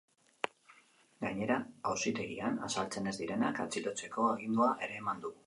Gainera, auzitegian azaltzen ez direnak atxilotzeko agindua ere eman du.